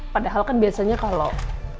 padahal kan biasanya kalau